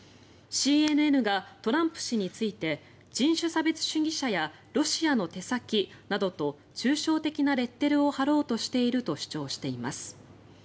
ＣＮＮがトランプ氏について人種差別主義者やロシアの手先などと中傷的なレッテルを貼ろうとしていると主張しています。